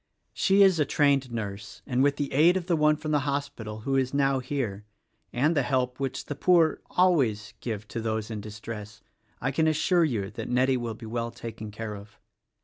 She is a trained nurse, and with the aid of the one from the hospital, who is now here, and the help which the poor always give to those in distress, I can assure you that Nettie will be well taken care of."